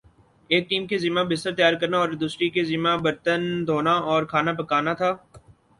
ایک ٹیم کے ذمہ بستر تیار کرنا اور دوسری کے ذمہ برتن دھونا اور کھانا پکانا تھا ۔